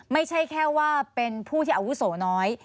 ไม่ใช่แค่ว่าเป็นผู้ที่อาวุโสน้อย